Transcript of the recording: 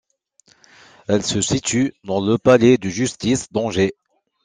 Elle se situe dans le palais de justice d'Angers.